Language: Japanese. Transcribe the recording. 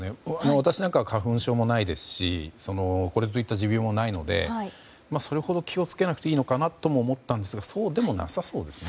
私なんかは花粉症もないですしこれといった持病もないのでそれほど気を付けなくてもいいのかなと思ったんですがそうでもなさそうですね。